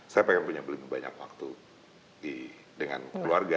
saya pengen punya lebih banyak waktu dengan keluarga